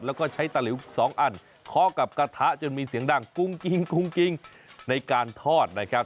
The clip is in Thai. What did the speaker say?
แล้วก็ใช้ตะหลิว๒อันเคาะกับกระทะจนมีเสียงดังกุ้งกิ้งในการทอดนะครับ